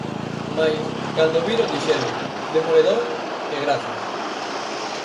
Mais, cando o viron dixeron: "demoledor" e "grazas".